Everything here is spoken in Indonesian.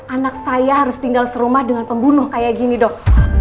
anak saya harus tinggal serumah dengan pembunuh kayak gini dok